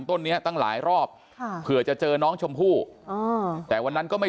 ต้นนี้ตั้งหลายรอบค่ะเผื่อจะเจอน้องชมพู่แต่วันนั้นก็ไม่